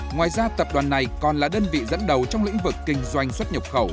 ngoài ra tập đoàn này còn là đơn vị dẫn đầu trong lĩnh vực kinh doanh xuất nhập khẩu